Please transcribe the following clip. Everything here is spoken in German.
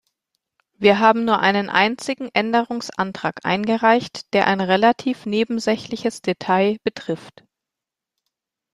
Wir haben nur einen einzigen Änderungsantrag eingereicht, der ein relativ nebensächliches Detail betrifft.